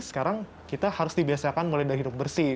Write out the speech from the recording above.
sekarang kita harus dibiasakan mulai dari hidup bersih